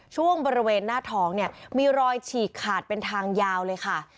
ช่วงบริเวณหน้าท้องเนี่ยมีรอยฉีกขาดเป็นทางยาวเลยค่ะ